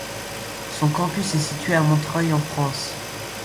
Son campus est situé à Montreuil en France.